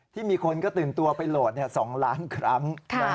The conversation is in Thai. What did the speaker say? ที่มีคนก็ตื่นตัวไปโหลด๒ล้านครั้ง